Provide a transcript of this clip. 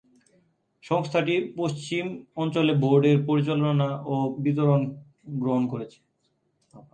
সংস্থাটি পশ্চিম অঞ্চলে বোর্ডের পরিচালনা ও বিতরণ গ্রহণ করেছে।